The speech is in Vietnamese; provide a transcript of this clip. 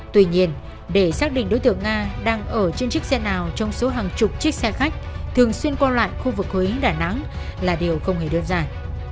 tuy nhiên để xác định đối tượng nga đang ở trên chiếc xe nào trong số hàng chục chiếc xe khách thường xuyên qua lại khu vực huế đà nẵng là điều không hề đơn giản